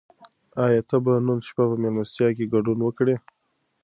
آیا ته به نن شپه په مېلمستیا کې ګډون وکړې؟